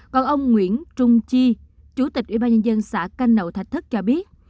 còn ông nguyễn trung chi chủ tịch ủy ban nhân dân xã canh nậu thạch thất cho biết